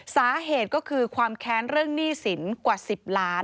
สาเหตุก็คือความแค้นเรื่องหนี้สินกว่า๑๐ล้าน